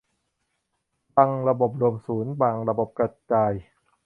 บางระบบรวมศูนย์ บางระบบกระจาย